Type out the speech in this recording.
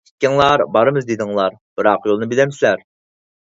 ئىككىڭلار بارىمىز دېدىڭلار، بىراق يولنى بىلەمسىلەر؟!